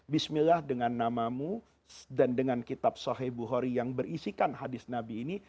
bismillah dengan namamu dan dengan kitab sohe buhori yang berisikan hadis nabi ini